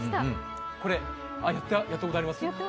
これ、やったことあります？